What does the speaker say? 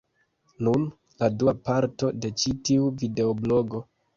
Nun, la dua parto de ĉi tiu videoblogo: